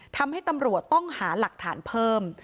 ทำให้ตำรวจต้องหาหลักฐานเพิ่ม